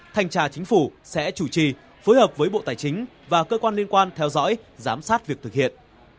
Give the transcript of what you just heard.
thanh tra chính phủ sẽ chủ trì phối hợp với bộ tài chính và cơ quan liên quan theo dõi giám sát việc thực hiện